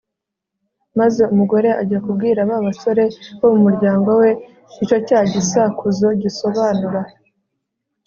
maze umugore ajya kubwira ba basore bo mu muryango we icyo cya gisakuzo gisobanura